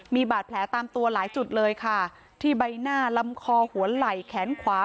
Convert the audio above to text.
มีบาดแผลตามตัวหลายจุดเลยค่ะที่ใบหน้าลำคอหัวไหล่แขนขวา